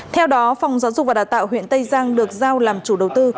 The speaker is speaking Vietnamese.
theo đó phòng giáo dục và đào tạo huyện tây giang được giao làm chủ đầu tư